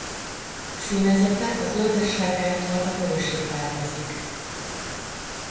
Színezete a zöldessárgától a vörösig változik.